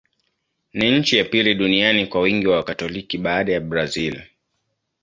Ni nchi ya pili duniani kwa wingi wa Wakatoliki, baada ya Brazil.